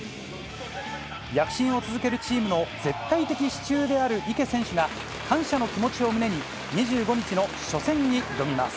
躍進を続けるチームの絶対的支柱である池選手が、感謝の気持ちを胸に、２５日の初戦に挑みます。